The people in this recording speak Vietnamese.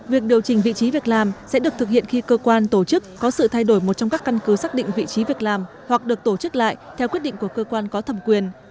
việc điều chỉnh vị trí việc làm sẽ được thực hiện khi cơ quan tổ chức có sự thay đổi một trong các căn cứ xác định vị trí việc làm hoặc được tổ chức lại theo quyết định của cơ quan có thẩm quyền